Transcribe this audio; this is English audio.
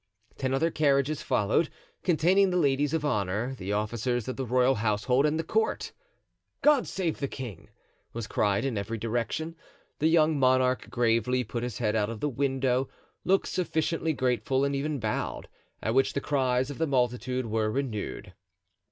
Ten other carriages followed, containing the ladies of honor, the officers of the royal household, and the court. "God save the king!" was the cry in every direction; the young monarch gravely put his head out of the window, looked sufficiently grateful and even bowed; at which the cries of the multitude were renewed.